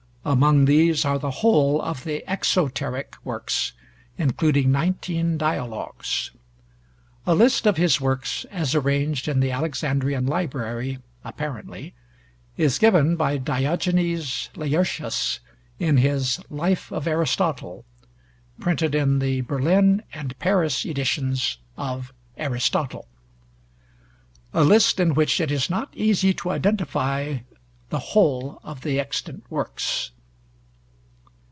Among these are the whole of the "exoteric" works, including nineteen Dialogues. A list of his works, as arranged in the Alexandrian Library (apparently), is given by Diogenes Laërtius in his 'Life of Aristotle' (printed in the Berlin and Paris editions of 'Aristotle'); a list in which it is not easy to identify the whole of the extant works.